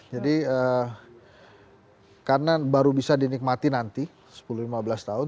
jadi karena baru bisa dinikmati nanti sepuluh lima belas tahun